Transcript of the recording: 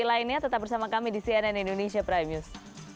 lainnya tetap bersama kami di cnn indonesia prime news